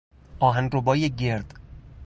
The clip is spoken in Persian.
آهنربای گرد